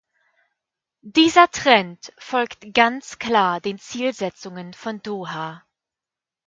Dieser Trend folgt ganz klar den Zielsetzungen von Doha.